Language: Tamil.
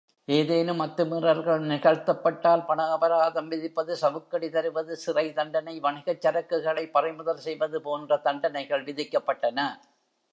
ஏதேனும் அத்துமீறல்கள் நிகழ்த்தப்பட்டால், பண அபராதம் விதிப்பது, சவுக்கடி தருவது, சிறை தண்டனை, வணிகச் சரக்குகளை பறிமுதல் செய்வது போன்ற தண்டனைகள் விதிக்கப்பட்டன.